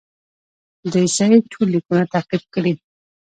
د سید ټول لیکونه تعقیب کړي.